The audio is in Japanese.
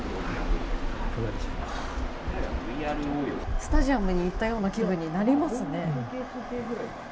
スタジアムに行ったような気分になりますね。